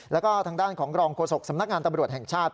แล้วก็ทางด้านของรองโฆษกสำนักงานตำรวจแห่งชาติ